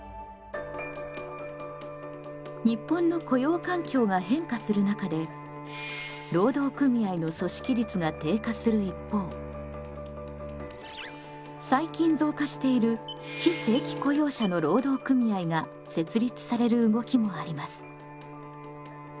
日本の雇用環境が変化する中で労働組合の組織率が低下する一方最近増加している非正規雇用者の労働組合が設立される動きもあります。